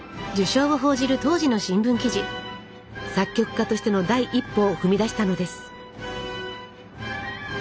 作曲家としての第一歩を踏み出したのです。